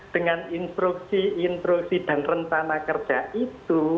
dengan instruksi instruksi dan rencana kerja itu